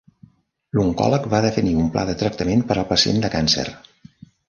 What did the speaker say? L'oncòleg va definir un pla de tractament per al pacient de càncer.